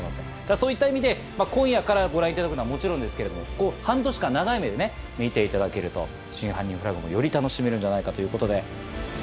そういった意味で今夜からご覧いただくのはもちろんですけれども半年間長い目で見ていただけると『真犯人フラグ』もより楽しめるんじゃないかということで。